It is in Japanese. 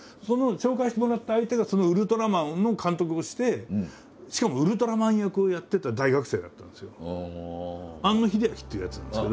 その紹介してもらった相手がその「ウルトラマン」の監督をしてしかもウルトラマン役をやってた大学生だったんですよ。